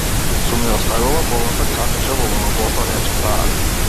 Сум ја оставила водата, капеше во лавабото, рече таа.